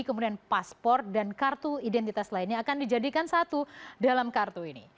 kemudian paspor dan kartu identitas lainnya akan dijadikan satu dalam kartu ini